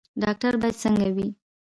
ډاکټر باید څنګه وي؟